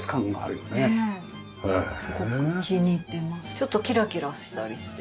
ちょっとキラキラしたりして。